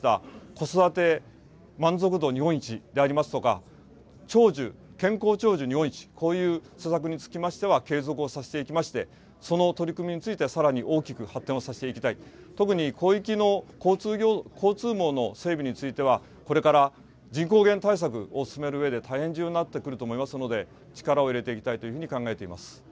子育て満足度日本一でありますとか、長寿、健康長寿日本一、こういう施策につきましては継続をさせていきまして、その取り組みについてさらに大きく発展をさせていきたい、特に広域の交通網の整備については、これから人口減対策を進めるうえで大変重要になってくると思いますので、力を入れていきたいというふうに考えています。